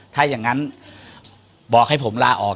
ถ้าอย่างนั้นบอกให้ผมลาออก